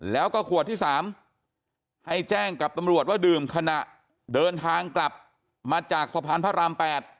แล้วก็ขวดที่๓ให้แจ้งกับตำรวจว่าดื่มขณะเดินทางกลับมาจากสะพานพระราม๘